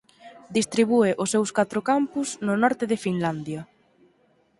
Distribúe os seus catro campus no norte de Finlandia.